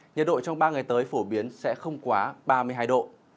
nhiệt độ trong ba ngày tới phổ biến sẽ không quá ba mươi hai độ